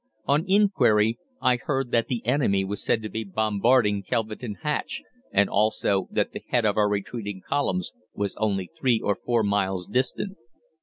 On inquiry I heard that the enemy were said to be bombarding Kelvedon Hatch, and also that the head of our retreating columns was only three or four miles distant.